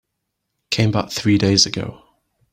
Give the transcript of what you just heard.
Came back three days ago.